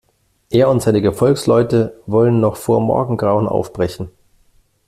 Er und seine Gefolgsleute wollen noch vor Morgengrauen aufbrechen.